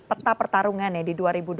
peta pertarungannya di dua ribu dua puluh empat